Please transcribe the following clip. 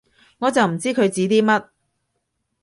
我就唔知佢指啲乜